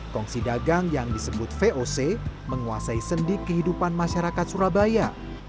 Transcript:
kongsi dagang yang disebut voc menguasai sendi kehidupan masyarakat surabaya